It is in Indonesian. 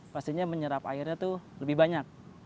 pastinya menyerap airnya itu lebih banyak